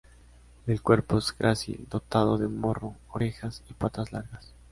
El cuerpo es grácil, dotado de morro, orejas y patas largas.